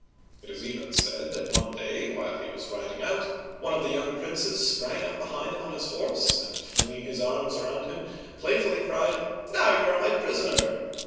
It is even said that one day, when he was riding out, one of the young princes sprang up behind him on his horse, and flinging his arms around him playfully cried, "Now you are my prisoner!